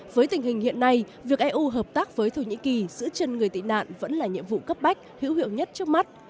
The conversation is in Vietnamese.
với tình hình hiện nay việc eu hợp tác với thổ nhĩ kỳ giữ chân người tị nạn vẫn là nhiệm vụ cấp bách hữu hiệu nhất trước mắt